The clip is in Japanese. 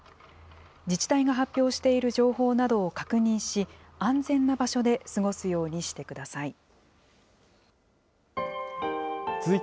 自治体が発表している情報などを確認し、安全な場所で過ごすようにしてください。